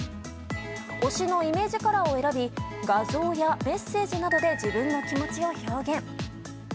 推しのイメージカラーを選び画像やメッセージなどで自分の気持ちを表現。